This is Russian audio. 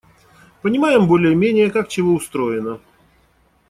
Понимаем более-менее, как чего устроено.